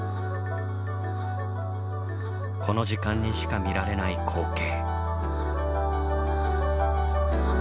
この時間にしか見られない光景。